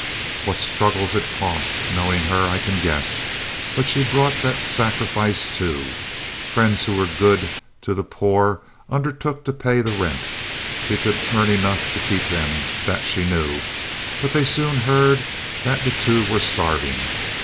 What struggles it cost, knowing her, I can guess; but she brought that sacrifice too. Friends who were good to the poor undertook to pay the rent. She could earn enough to keep them; that she knew. But they soon heard that the two were starving.